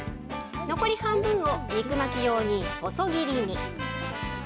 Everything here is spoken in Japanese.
残り半分を、肉巻き用に細切りに。